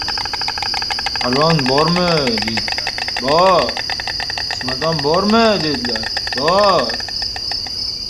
Falon bormi dedilar, bor. Fismadon bormi dedilar, bor.